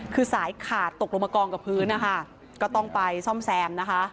คือสายขาดตกลงกล่องกับพื้นก็ต้องไปซ่อมแซม